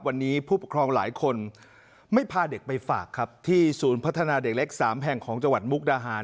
วันนี้ผู้ปกครองหลายคนไม่พาเด็กไปฝากครับที่ศูนย์พัฒนาเด็กเล็ก๓แห่งของจังหวัดมุกดาหาร